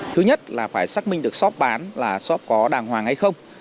thứ nhất là phải xác minh được shop bán là shop có đàng hoàng hay không